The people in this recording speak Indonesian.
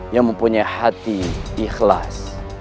yang mempunyai hati ikhlas